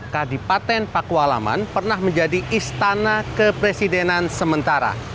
kadipaten pakualaman pernah menjadi istana kepresidenan sementara